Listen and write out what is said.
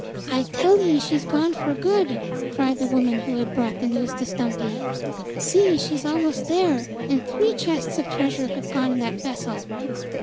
"I tell ye she's gone for good!" cried the woman who had brought the news to Stumpy. "See, she's almost there, and three chests of treasure have gone in that vessel!